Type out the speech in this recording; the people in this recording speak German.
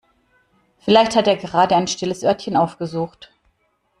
Vielleicht hat er gerade ein stilles Örtchen aufgesucht.